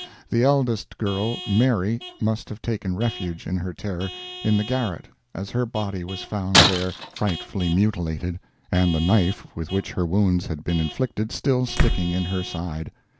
The eldest girl, Mary, must have taken refuge, in her terror, in the garret, as her body was found there, frightfully mutilated, and the knife with which her wounds had been inflicted still sticking in her side.